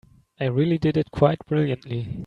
I really did it quite brilliantly.